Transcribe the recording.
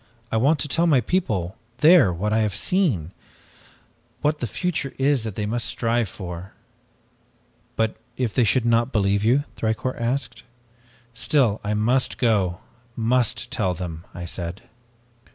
'I want to tell my people there what I have seen what the future is that they must strive for.' "'But if they should not believe you?' Thicourt asked. "'Still I must go must tell them,' I said.